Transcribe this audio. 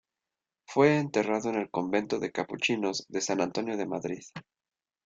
Fue enterrado en el convento de capuchinos de San Antonio de Madrid.